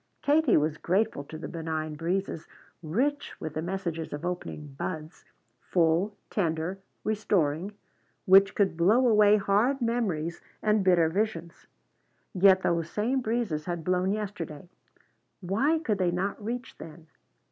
Katie was grateful to the benign breezes, rich with the messages of opening buds, full, tender, restoring, which could blow away hard memories and bitter visions. Yet those same breezes had blown yesterday. Why could they not reach then?